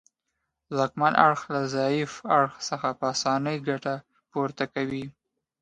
ځواکمن اړخ له ضعیف اړخ څخه په اسانۍ ګټه پورته کوي